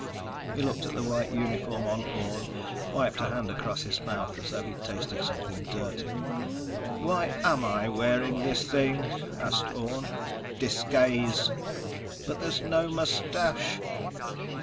He looked at the white uniform on Orne, wiped a hand across his mouth as though he'd tasted something dirty. "Why am I wearing this thing?" asked Orne. "Disguise." "But there's no mustache!"